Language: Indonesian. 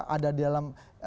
ada di dalam